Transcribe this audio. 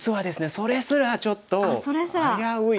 それすらちょっと危うい。